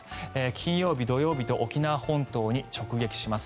金曜日、土曜日と沖縄本島に直撃します。